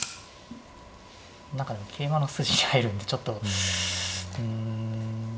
何かでも桂馬の筋に入るんでちょっとうん本譜堅く